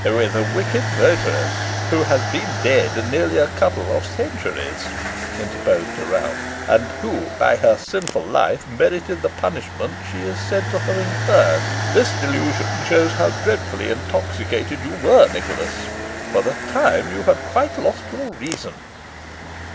"With a wicked votaress, who has been dead nearly a couple of centuries," interposed Sir Ralph; "and who, by her sinful life, merited the punishment she is said to have incurred. This delusion shows how dreadfully intoxicated you were, Nicholas. For the time you had quite lost your reason."